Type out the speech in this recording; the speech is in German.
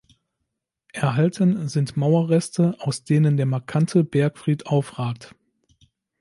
Erhalten sind Mauerreste, aus denen der markante Bergfried aufragt.